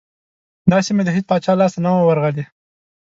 دا سیمه د هیڅ پاچا لاسته نه وه ورغلې.